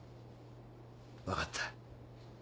分かった。